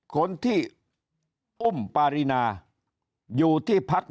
คนที่อุ้มปารีนาอยู่ที่พัก